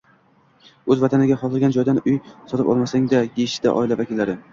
«O‘z Vataningda xohlagan joydan uy sotib ololmasang-a!» – deyishdi oila vakillari